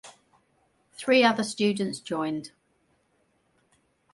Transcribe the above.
Three other students joined.